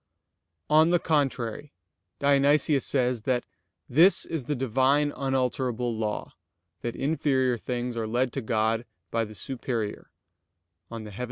On the contrary, Dionysius says that "this is the Divine unalterable law, that inferior things are led to God by the superior" (Coel.